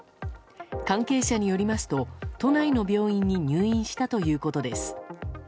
関係者によりますと都内の病院に入院したということです。